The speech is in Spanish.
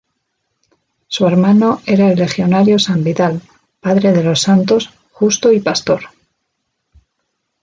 Su hermano era el legionario San Vidal, padre de los Santos Justo y Pastor.